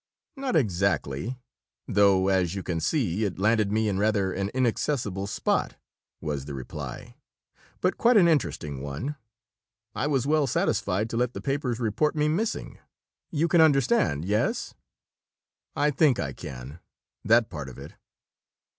"Not exactly though as you can see, it landed me in rather an inaccessible spot," was the reply. "But quite an interesting one! I was well satisfied to let the papers report me missing. You can understand, yes?" "I think I can, that part of it."